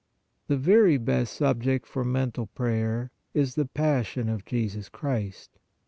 The very best subject for mental prayer is the Passion of Jesus Christ.